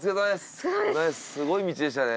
すごい道でしたね。